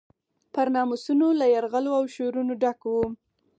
پر ناموسونو له یرغلونو او شورونو ډک و.